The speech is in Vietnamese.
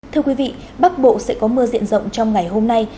thưa quý vị bắc bộ sẽ có mưa diện rộng trong ngày hôm nay